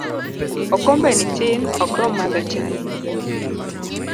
Okombe ni tin ok rom madho chai